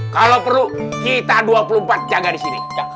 kalau perlu kita dua puluh empat jaga disini